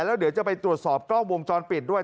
แล้วเดี๋ยวจะไปตรวจสอบกล้องวงจรปิดด้วย